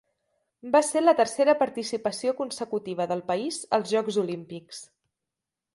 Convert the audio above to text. Va ser la tercera participació consecutiva del país als Jocs Olímpics.